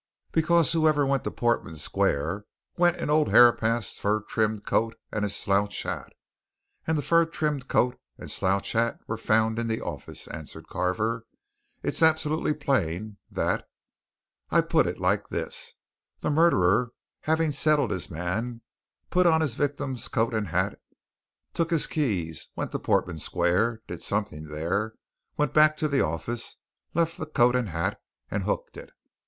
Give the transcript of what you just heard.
"Because whoever went to Portman Square went in old Herapath's fur trimmed coat and his slouch hat, and the fur trimmed coat and slouch hat were found in the office," answered Carver. "It's absolutely plain, that. I put it like this. The murderer, having settled his man, put on his victim's coat and hat, took his keys, went to Portman Square, did something there, went back to the office, left the coat and hat, and hooked it.